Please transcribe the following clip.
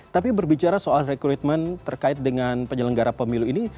tapi berbicara soal rekrutmen terkait dengan penyelenggara pemilu ini